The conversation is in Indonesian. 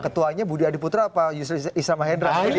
ketuanya budi adiputra apa yusuf islama hendra